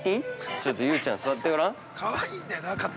ちょっと雄ちゃん、座ってごらん。